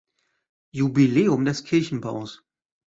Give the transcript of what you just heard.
Jubiläum des Kirchenbaus.